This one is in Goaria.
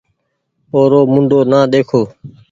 اورو منڍو نآ ۮيکو